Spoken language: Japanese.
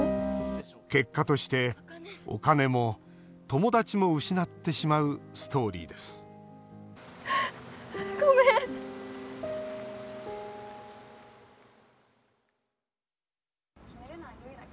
結果としてお金も友達も失ってしまうストーリーですごめん。